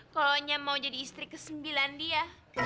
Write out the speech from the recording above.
kalo nya mau jadi istri ke sembilan dia